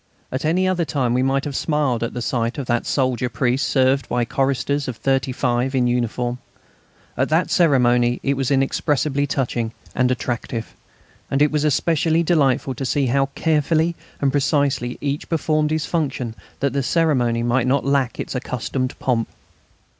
At any other time we might have smiled at the sight of that soldier priest served by choristers of thirty five in uniform; at that ceremony it was inexpressibly touching and attractive, and it was especially delightful to see how carefully and precisely each performed his function that the ceremony might not lack its accustomed pomp.